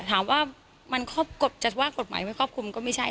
ถามว่ามันครอบกฎจัดว่ากฎหมายไม่ครอบคลุมก็ไม่ใช่